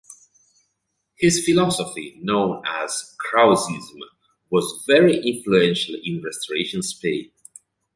His philosophy, known as "Krausism", was very influential in Restoration Spain.